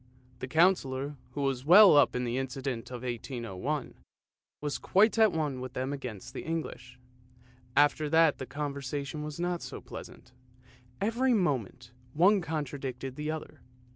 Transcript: The Councillor, who was well up in the incident of 1801, was quite at one with them against the English. After that the conversation was not so pleasant, every moment one contradicted the other.